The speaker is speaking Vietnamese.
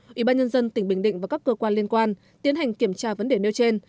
ủy ban nhân dân tỉnh bình định và các cơ quan liên quan tiến hành kiểm tra vấn đề nêu trên